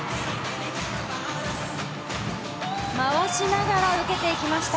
回しながら受けていきました。